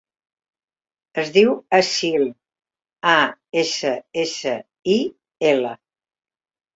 Es diu Assil: a, essa, essa, i, ela.